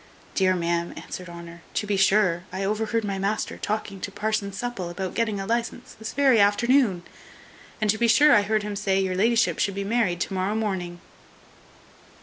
"Dear ma'am," answered Honour, "to be sure, I overheard my master talking to parson Supple about getting a licence this very afternoon; and to be sure I heard him say, your la'ship should be married to morrow morning."